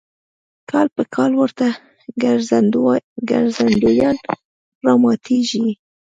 کال په کال ورته ګرځندویان راماتېږي.